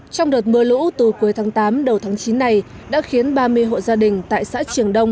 trong đợt mưa lũ từ cuối tháng tám đầu tháng chín này đã khiến ba mươi hộ gia đình tại xã triềng đông